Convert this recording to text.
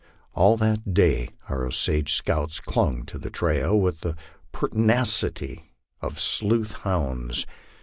All that day our Osage scouts clung to the trail with the pertinacity of sleuth hounds.